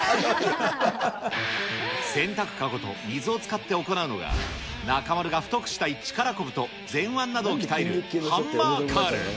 洗濯籠と水を使って行うのが、中丸が太くしたい力こぶと前腕などを鍛えるハンマーカール。